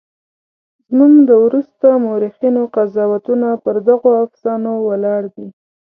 زموږ د وروسته مورخینو قضاوتونه پر دغو افسانو ولاړ دي.